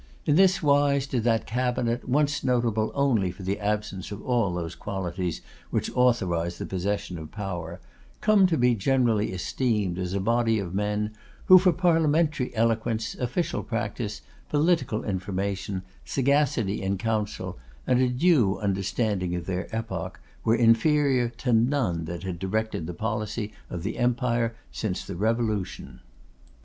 In this wise did that cabinet, once notable only for the absence of all those qualities which authorise the possession of power, come to be generally esteemed as a body of men, who, for parliamentary eloquence, official practice, political information, sagacity in council, and a due understanding of their epoch, were inferior to none that had directed the policy of the empire since the Revolution.